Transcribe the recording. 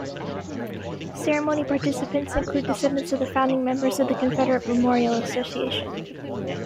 Ceremony participants include descendants of the founding members of the Confederate Memorial Association.